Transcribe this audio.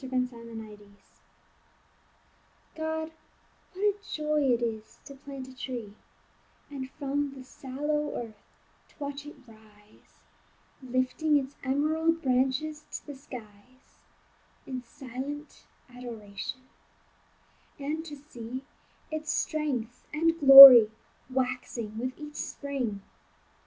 GO PLANT A TREE God, what a joy it is to plant a tree, And from the sallow earth to watch it rise, Lifting its emerald branches to the skies In silent adoration; and to see Its strength and glory waxing with each spring.